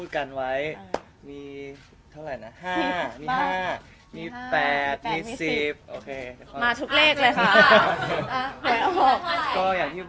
ใช่ใช่ใช่